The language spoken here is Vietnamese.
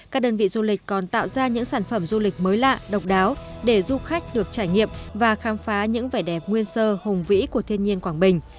các đơn vị du lịch còn tạo ra những sản phẩm du lịch mới lạ độc đáo để du khách được trải nghiệm và khám phá những vẻ đẹp nguyên sơ hùng vĩ của thiên nhiên quảng bình